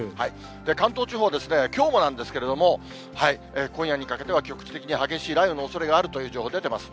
関東地方ですね、きょうもなんですけれども、今夜にかけては局地的に激しい雷雨のおそれがあるという情報出てます。